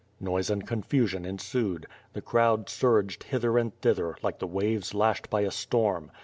Noise and confusion ensued. The crowd surged hither and thither, like the waves lashed by a storm.